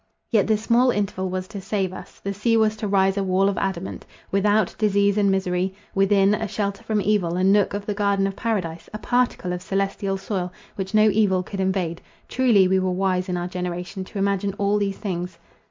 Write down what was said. Yet this small interval was to save us: the sea was to rise a wall of adamant—without, disease and misery—within, a shelter from evil, a nook of the garden of paradise—a particle of celestial soil, which no evil could invade—truly we were wise in our generation, to imagine all these things!